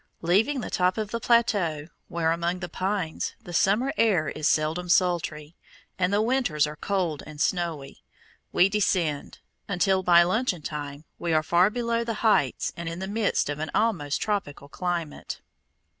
Leaving the top of the plateau, where among the pines the summer air is seldom sultry, and the winters are cold and snowy, we descend, until, by luncheon time, we are far below the heights and in the midst of an almost tropical climate.